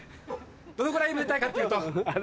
どのぐらいめでたいかっていうと。